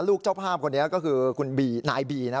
เจ้าภาพคนนี้ก็คือคุณบีนายบีนะ